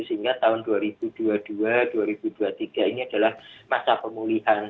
sehingga tahun dua ribu dua puluh dua dua ribu dua puluh tiga ini adalah masa pemulihan